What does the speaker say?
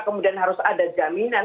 kemudian harus ada jaminan